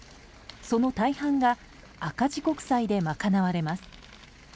その大半が赤字国債で賄われます。